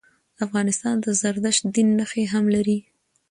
افغانستان د زردشت دین نښي هم لري.